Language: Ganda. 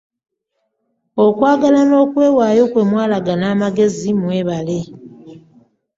Okwagala n'okwewaayo kwe mwalaga n'amagezi mwebale.